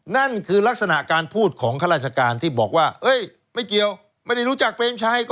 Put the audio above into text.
นั่นคือลักษณะการพูดของข้าราชการที่บอกว่าไม่เกี่ยวไม่ได้รู้จักเปรมชัย